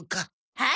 はい